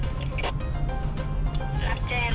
ผู้ชีพเราบอกให้สุจรรย์ว่า๒